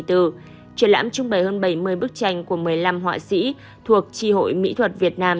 triển lãm trưng bày hơn bảy mươi bức tranh của một mươi năm họa sĩ thuộc tri hội mỹ thuật việt nam